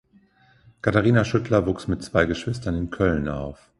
Katharina Schüttler wuchs mit zwei Geschwistern in Köln auf.